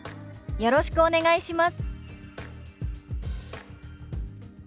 「よろしくお願いします」。